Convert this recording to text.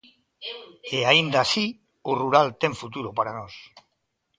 E aínda así, o rural ten futuro para nós.